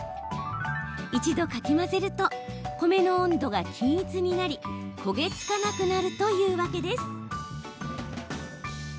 一度かき混ぜると米の温度が均一になり焦げ付かなくなるというわけです。